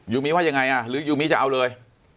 มิว่ายังไงอ่ะหรือยูมิจะเอาเลย